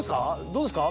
どうですか？